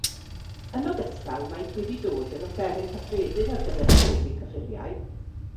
Yn ogystal maent wedi dod yn offeryn cyffredin ar gyfer profi cyffuriau.